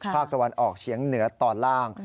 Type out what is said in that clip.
ภาคตะวันออกเฉียงเหนือตอนล่าง